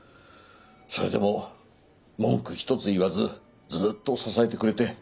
それでも文句一つ言わずずっと支えてくれて。